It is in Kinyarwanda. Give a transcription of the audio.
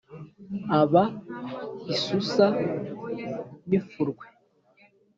aba isusa n’ifurwe